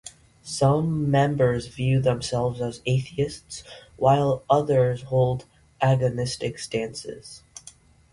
Some members view themselves as atheists, while others hold agnostic stances.